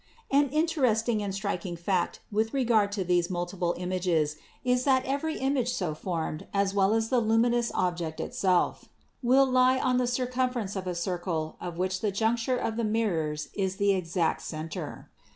86 PHYSICS An interesting and striking fact with regard to these mul tiple images is that every image so formed, as well as the luminous object itself, will lie on the circumference of a circle of which the juncture of the mirrors is the exact center.